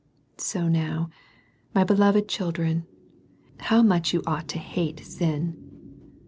See now, my beloved children, how much you ought to hate sin.